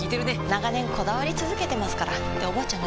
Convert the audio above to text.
長年こだわり続けてますからっておばあちゃん